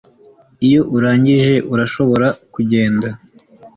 Iyo urangije urashobora kugenda